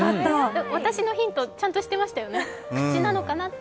私のヒントちゃんとしてましたよね、口なのかなって。